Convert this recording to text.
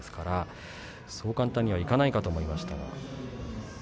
そう簡単にはいかないかと思いました。